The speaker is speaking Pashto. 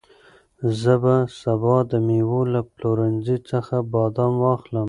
زه به سبا د مېوو له پلورنځي څخه بادام واخلم.